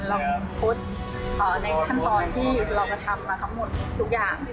เราโพสต์ในขั้นตอนที่เรากระทำมาทั้งหมดทุกอย่าง